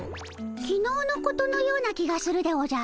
きのうのことのような気がするでおじゃる。